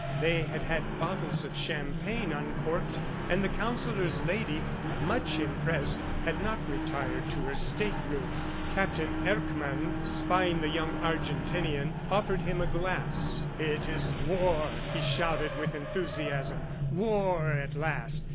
They had had bottles of champagne uncorked, and the Counsellor's Lady, much impressed, had not retired to her stateroom. Captain Erckmann, spying the young Argentinian, offered him a glass. "It is war," he shouted with enthusiasm. "War at last.